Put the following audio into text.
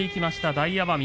大奄美